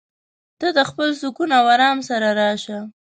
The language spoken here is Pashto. ته د خپل سکون او ارام سره راشه.